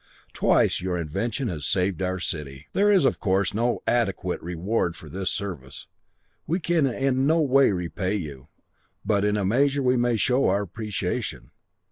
Twice your intervention has saved our city. "There is, of course, no adequate reward for this service; we can in no way repay you, but in a measure we may show our appreciation.